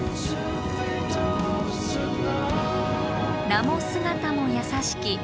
「名も姿も優しき」